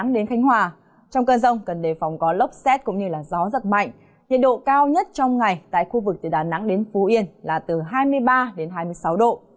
nhiệt độ cao nhất trong ngày tại khu vực từ đà nẵng đến phú yên là từ hai mươi ba đến hai mươi sáu độ